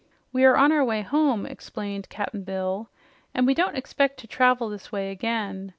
"We're on our way home," explained Cap'n Bill, "an' we don't expec' to travel this way again.